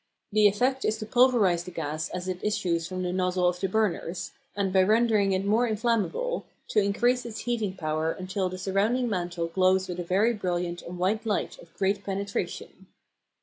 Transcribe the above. The effect is to pulverise the gas as it issues from the nozzle of the burners, and, by rendering it more inflammable, to increase its heating power until the surrounding mantle glows with a very brilliant and white light of great penetration.